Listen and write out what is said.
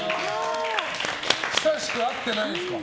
久しく会ってないんですか。